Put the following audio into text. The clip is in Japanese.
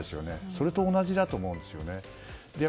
それと同じだと思うんですよね。